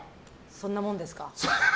そんなもんですか。